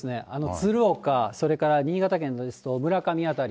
鶴岡、それから新潟県ですと村上辺り。